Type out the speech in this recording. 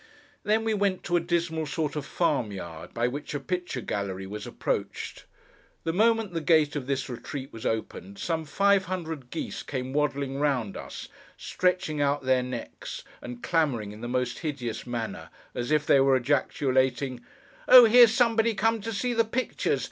Then, we went to a dismal sort of farm yard, by which a picture gallery was approached. The moment the gate of this retreat was opened, some five hundred geese came waddling round us, stretching out their necks, and clamouring in the most hideous manner, as if they were ejaculating, 'Oh! here's somebody come to see the Pictures!